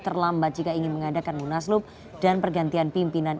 terlambat jika ingin mengadakan munaslup dan pergantian pimpinan